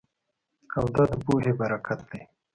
او دا د پوهې برکت دی